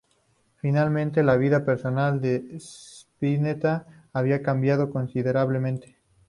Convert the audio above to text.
Finalmente la vida personal de Spinetta había cambiado considerablemente.